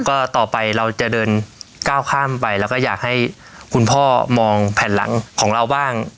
ก็ต่อไปเราจะเดินก้าวข้ามไปแล้วก็อยากให้คุณพ่อมองแผ่นหลังของเราบ้าง